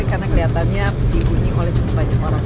karena kelihatannya dibunyi oleh cukup banyak orang